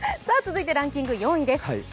続いてランキング４位です。